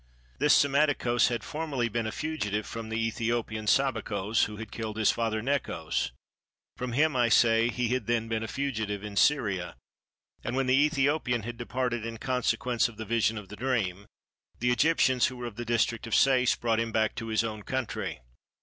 This Psammetichos had formerly been a fugitive from the Ethiopian Sabacos who had killed his father Necos, from him, I say, he had then been a fugitive in Syria; and when the Ethiopian had departed in consequence of the vision of the dream, the Egyptians who were of the district of Sais brought him back to his own country.